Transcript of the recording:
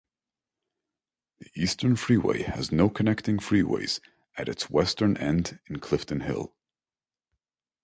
The Eastern Freeway has no connecting freeways at its western end in Clifton Hill.